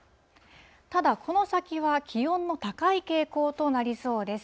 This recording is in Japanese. ただ、この先は気温の高い傾向となりそうです。